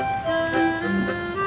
assalamualaikum warahmatullahi wabarakatuh